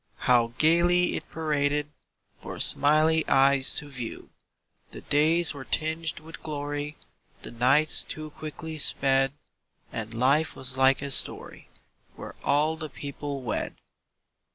How gaily it paraded For smiling eyes to view! The days were tinged with glory, The nights too quickly sped, And life was like a story Where all the people wed.